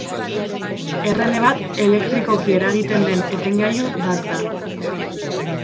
Errele bat elektrikoki eragiten den etengailu bat da.